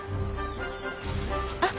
あっ。